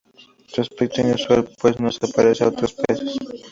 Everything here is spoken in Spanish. Su aspecto es inusual, pues no se parece a otros peces.